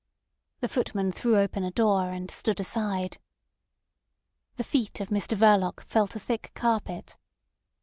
The footman threw open a door, and stood aside. The feet of Mr Verloc felt a thick carpet.